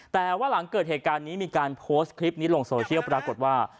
แต่ว่าหลังเกิดเหตุการณ์นี้มีการโพสต์คลิปนี้ลงโซเชียลปรากฏว่า